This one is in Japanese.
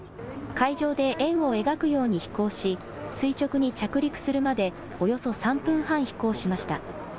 海上で円を描くように飛行し、垂直に着陸するまで、およそ３分半飛行しました。